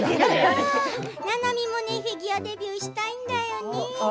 ななみもフィギュアデビューしたいんだよね。